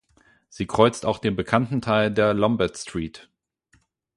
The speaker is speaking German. Sie kreuzt auch den bekannten Teil der Lombard Street.